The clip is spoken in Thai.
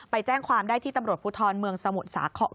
ไปแจ้งความได้ที่ตำรวจภูทรเมืองสมุทรสาคร